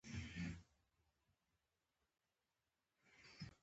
ټیپو سلطان د میسور زړور پاچا و.